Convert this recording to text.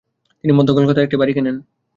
তিনি মধ্য কলকাতায় একটি বাড়ি কেনেন।